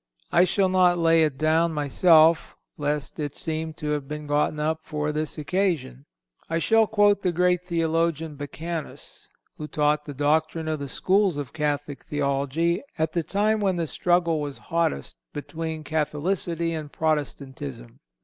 I shall not lay it down myself, lest it seem to have been gotten up for the occasion. I shall quote the great theologian Becanus, who taught the doctrine of the schools of Catholic Theology at the time when the struggle was hottest between Catholicity and Protestantism.